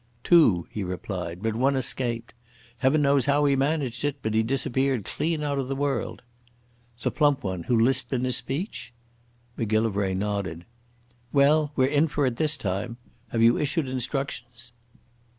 "Two," he replied, "but one escaped. Heaven knows how he managed it, but he disappeared clean out of the world." "The plump one who lisped in his speech?" Macgillivray nodded. "Well, we're in for it this time. Have you issued instructions?"